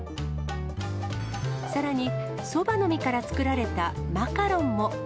さらに、そばの実から作られたマカロンも。